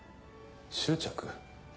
執着？